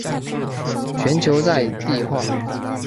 全球在地化。